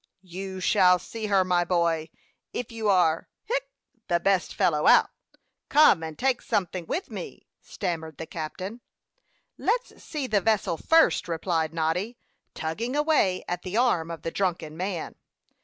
"You shall see her, my boy. If you are hic the best fellow out, come and take something with me," stammered the captain. "Let's see the vessel first," replied Noddy, tugging away at the arm of the drunken man.